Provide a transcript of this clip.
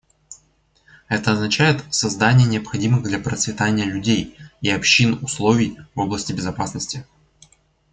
Это означает создание необходимых для процветания людей и общин условий в области безопасности.